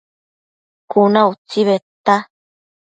Cuna utsi bedta